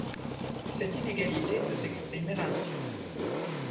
Cette inégalité peut s'exprimer ainsi.